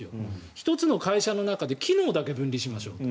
１つの会社の中で機能だけ分離しましょうと。